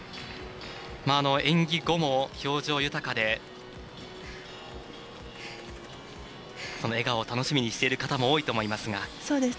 演技後も、表情豊かでこの笑顔を楽しみにしている方も多いと思いますが。